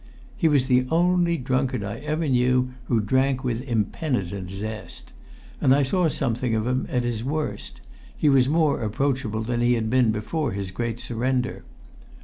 He was the only drunkard I ever knew who drank with impenitent zest; and I saw something of him at his worst; he was more approachable than he had been before his great surrender.